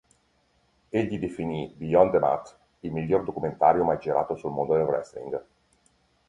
Egli definì "Beyond the Mat": "il miglior documentario mai girato sul mondo del wrestling".